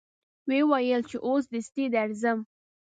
و یې ویل چې اوس دستي درځم.